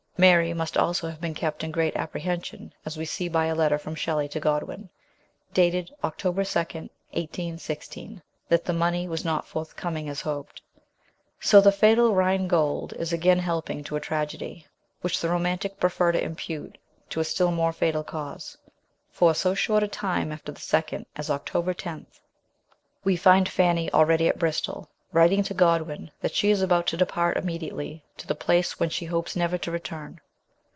Mary must also have been kept in great apprehension, as we see by a letter from Shelley to Godwin, dated October 2, 1816, that the money was not forthcoming, as hoped. So the fatal Rhine gold is again helping to a tragedy, which the romantic prefer to impute to a still more fatal cause ; for, so short a time after the 2nd as October 10, we find Fanny already at Bristol, writing to Godwin that she is about to depart immediately to the place whence she hopes never to return.